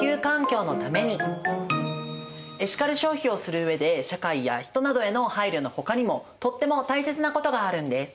エシカル消費をする上で社会や人などへの配慮のほかにもとっても大切なことがあるんです。